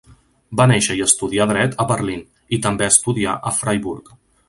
Va néixer i va estudiar dret a Berlín, i també estudiar a Freiburg.